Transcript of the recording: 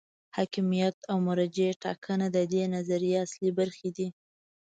حاکمیت او مرجع ټاکنه د دې نظریې اصلي برخې دي.